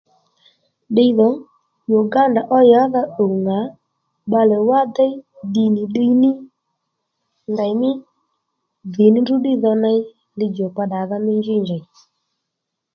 Ddiydhò Uganda ó yǎdha ùw ŋà bbalè wá déy ddì nì ddiy ní ndèymí dhì ní ndrǔ ddí dho ney li-djùkpa ddàdha mí njí njèy